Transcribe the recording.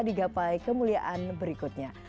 di gapai kemuliaan berikutnya